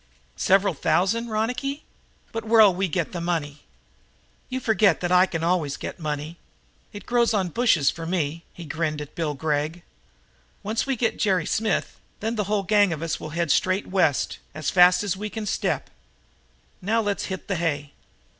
"Several thousand, Ronicky? But where'll we get the money?" "You forget that I can always get money. It grows on the bushes for me." He grinned at Bill Gregg. "Once we get Jerry Smith, then the whole gang of us will head straight West, as fast as we can step. Now let's hit the hay."